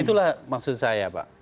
itulah maksud saya pak